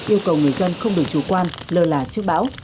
yêu cầu người dân không được chủ quan lơ là trước bão